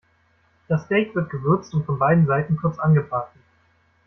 Das Steak wird gewürzt und von beiden Seiten kurz angebraten.